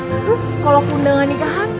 terus kalo keundangan nikahan